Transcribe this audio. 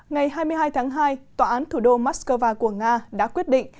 ngày hai mươi hai tháng hai tòa án thủ đô moscow của nga đã quyết định